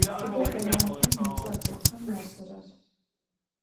Sıda ğemafem yêcak'oxem aş'erer?